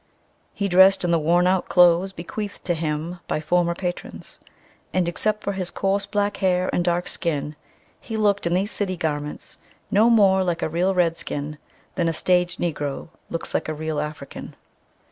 He dressed in the worn out clothes bequeathed to him by former patrons, and, except for his coarse black hair and dark skin, he looked in these city garments no more like a real redskin than a stage Negro looks like a real African.